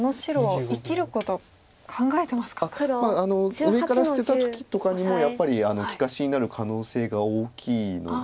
上から捨てた時とかにもやっぱり利かしになる可能性が大きいので。